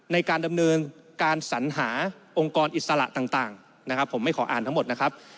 ในการดำเนินการสัญหาองค์กรอิสระต่างนะครับผมไม่ขออ่านทั้งหมดนะครับ